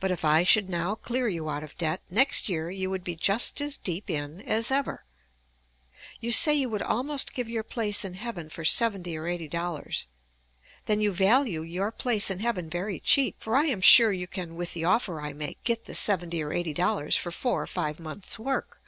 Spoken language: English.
But if I should now clear you out of debt, next year you would be just as deep in as ever. You say you would almost give your place in heaven for seventy or eighty dollars. Then you value your place in heaven very cheap, for I am sure you can with the offer I make get the seventy or eighty dollars for four or five months' work.